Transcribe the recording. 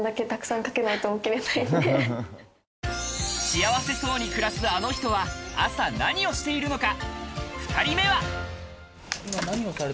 幸せそうに暮らすあの人は朝何をしているのか？